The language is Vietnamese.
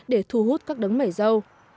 để thu hút các đấng mảy dâu